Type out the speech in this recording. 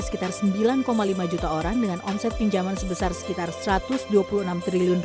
sekitar rp sembilan lima juta orang dengan omset pinjaman sebesar sekitar rp satu ratus dua puluh enam triliun